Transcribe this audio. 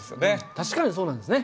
確かにそうなんですね。